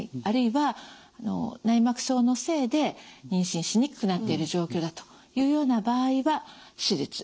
あるいは内膜症のせいで妊娠しにくくなっている状況だというような場合は手術。